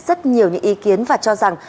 rất nhiều những ý kiến và cho rằng